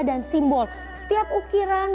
dan simbol setiap ukiran